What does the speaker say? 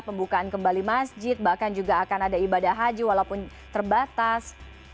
pembukaan kembali masjid bahkan juga akan ada ibadah haji walaupun terbatas